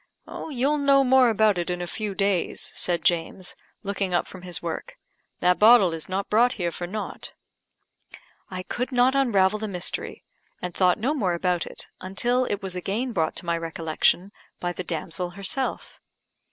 "You'll know more about it in a few days," said James, looking up from his work. "That bottle is not brought here for nought." I could not unravel the mystery, and thought no more about it, until it was again brought to my recollection by the damsel herself.